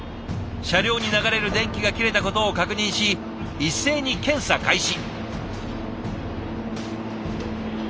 車両に流れる電気が切れたことを確認し一斉に検査開始。